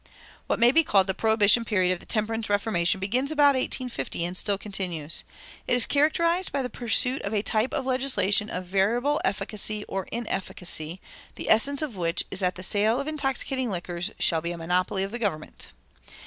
What may be called the Prohibition period of the temperance reformation begins about 1850 and still continues. It is characterized by the pursuit of a type of legislation of variable efficacy or inefficacy, the essence of which is that the sale of intoxicating liquors shall be a monopoly of the government.